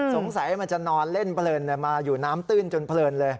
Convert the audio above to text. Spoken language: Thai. มันจะนอนเล่นเพลินมาอยู่น้ำตื้นจนเพลินเลย